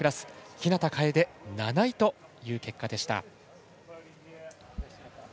日向楓、７位という結果でした。